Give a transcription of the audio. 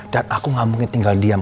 dan aku gak mungkin tinggal diam